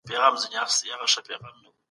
کمپيوټر فورمول حل کوي.